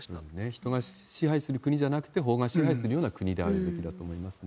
人が支配する国じゃなくて、法が支配するような国であるべきだということだと思いますね。